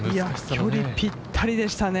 距離、ぴったりでしたね。